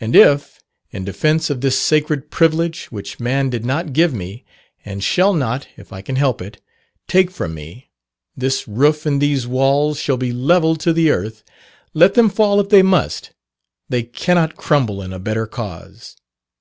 And if, in defence of this sacred privilege, which man did not give me, and shall not (if I can help it) take from me, this roof and these walls shall be levelled to the earth, let them fall if they must; they cannot crumble in a better cause.